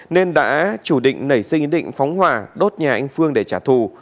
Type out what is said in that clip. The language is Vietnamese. nên đã chủ định nảy sinh ý định phóng hỏa đốt nhà anh phương để trả thù